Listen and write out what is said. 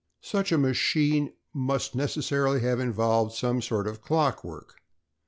Such a machine must necessarily have involved some sort of clock work.